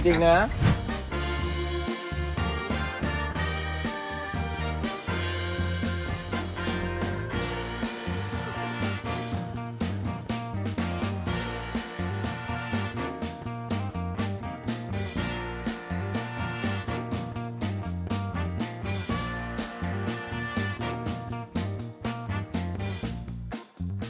แต่งหน้ามันเขาเรียกแล้ว